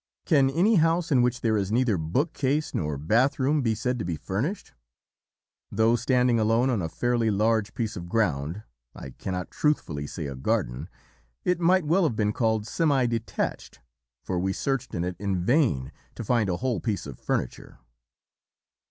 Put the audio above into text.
Can any house in which there is neither bookcase nor bathroom be said to be furnished? Though standing alone on a fairly large piece of ground I cannot truthfully say a garden it might well have been called semi detached, for we searched in it in vain to find a whole piece of furniture.